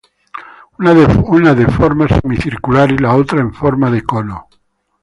Una de forma semicircular y la otra en forma de cono.